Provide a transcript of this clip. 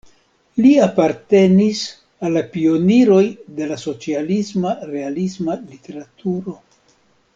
Li apartenis al la pioniroj de la socialisma-realisma literaturo.